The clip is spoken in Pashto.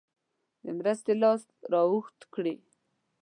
د مرستې لاس را اوږد کړي.